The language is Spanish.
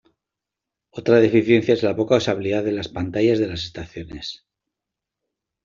Otra deficiencia es la poca usabilidad de las pantallas de las estaciones.